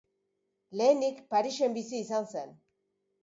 Lehenik Parisen bizi izan zen.